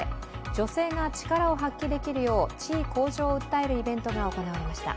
女性が力を発揮できるよう、地位向上を訴えるイベントが行われました。